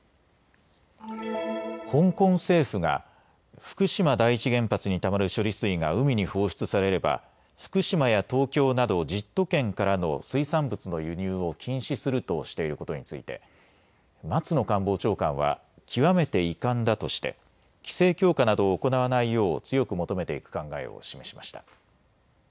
香港政府が福島第一原発にたまる処理水が海に放出されれば福島や東京など１０都県からの水産物の輸入を禁止するとしていることについて松野官房長官は極めて遺憾だとして規制強化などを行わないよう強く求めていく考えを示しました。